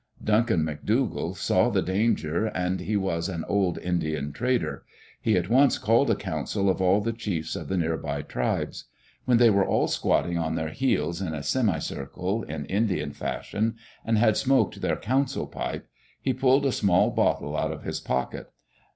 Duncan McDougall saw the danger, and he was an old Indian trader. He at once called a council of all the chiefs of the near by tribes. When they were all squatting on their heels, in a semicircle, in Indian fashion, and had smoked their council pipe, he pulled a small bottle out of his pocket.